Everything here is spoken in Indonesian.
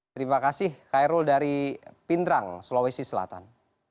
terima kasih khairul dari pindrang sulawesi selatan